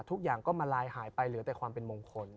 ทุกอย่างก็มาลายหายไปเหลือแต่ความเป็นมงคล